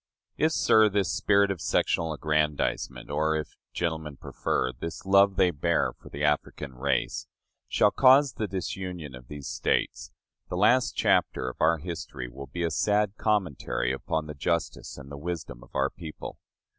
If, sir, this spirit of sectional aggrandizement or, if gentlemen prefer, this love they bear the African race shall cause the disunion of these States, the last chapter of our history will be a sad commentary upon the justice and the wisdom of our people.